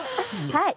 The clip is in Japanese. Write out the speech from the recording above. はい。